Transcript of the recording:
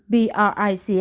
tỷ lệ tiêm chủng chưa cao